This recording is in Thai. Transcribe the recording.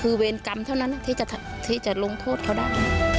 คือเวรกรรมเท่านั้นที่จะลงโทษเขาได้